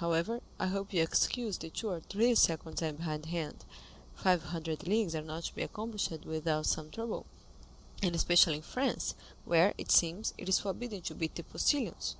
However, I hope you will excuse the two or three seconds I am behindhand; five hundred leagues are not to be accomplished without some trouble, and especially in France, where, it seems, it is forbidden to beat the postilions."